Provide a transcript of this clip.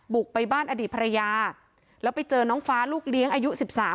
บุกไปบ้านอดีตภรรยาแล้วไปเจอน้องฟ้าลูกเลี้ยงอายุสิบสาม